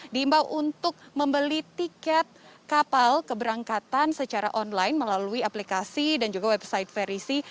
diimbau untuk membeli tiket kapal keberangkatan secara online melalui aplikasi dan juga website verisi